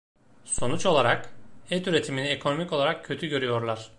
Sonuç olarak, et üretimini ekonomik olarak kötü görüyorlar.